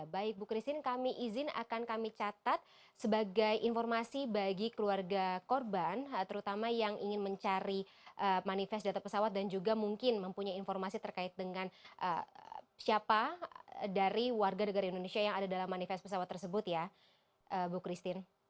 baik bu christine kami izin akan kami catat sebagai informasi bagi keluarga korban terutama yang ingin mencari manifest data pesawat dan juga mungkin mempunyai informasi terkait dengan siapa dari warga negara indonesia yang ada dalam manifest pesawat tersebut ya bu christine